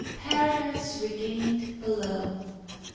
PARADISE REGAINED BELOW.